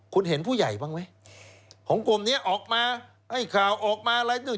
คุณเห็นผู้ใหญ่บ้างไหมของกลุ่มนี้ออกมาให้ข่าวออกมาอะไรด้วย